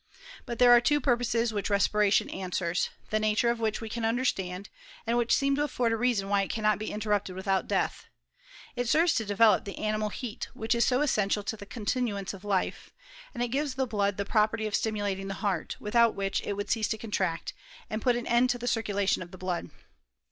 But there are two purposes which respiration answerB, the nature of wiiicfa we can understand, and which seem to afford a reasoD why it cannot be interrupted without death. It serves to develop the aaimat heat, which is bo essential to the continuance of life ; and it gives the blood the property of stimulating the heart; without which it would cease to contract, and put an end to the circulation of the blood.